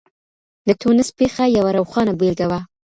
د ټونس پېښه يوه روښانه بېلګه وه.